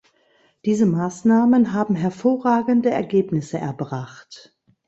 Diese Maßnahmen haben hervorragende Ergebnisse erbracht.